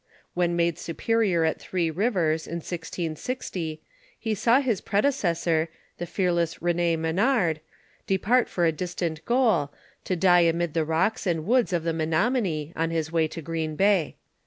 When made superior at Three Rivers, in 1660, he saw his predecessor, the fear less Rcn6 Menard, depart for a distant goal, to die amid tlie rocks and woods of the Menominee, on his way to Green Bay.